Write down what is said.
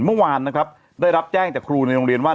เมื่อวานนะครับได้รับแจ้งจากครูในโรงเรียนว่า